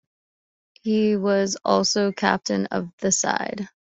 He was also captain of the side.